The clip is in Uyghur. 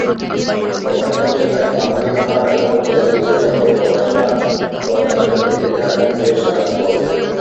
بۇ قېتىم خىتاي ئامېرىكىغا زور دەرىجىدە يول قويغاچقا سودا سۆھبىتىدە بۆسۈش ھاسىل بولدى.